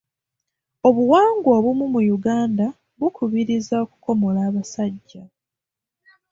Obuwangwa obumu mu Uganda bukubiriza okukomola abasajja.